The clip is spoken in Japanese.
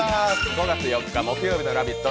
５月４日木曜日の「ラヴィット！」